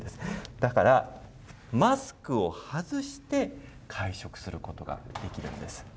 だから、マスクを外して会食することができるんです。